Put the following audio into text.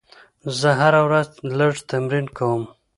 زه هره ورځ لږ تمرین کوم.